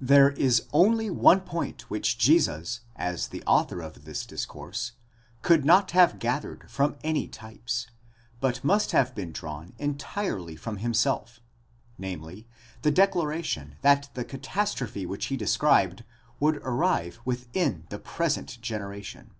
There is only one point which Jesus, as the author of this discourse, could not have gathered from any types, but must have drawn entirely from himself : namely, the declaration that the catastrophe which he described would arrive 'within the present generation.